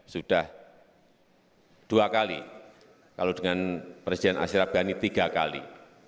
sudah dua kali kalau dengan presiden asyraf ghani tiga kali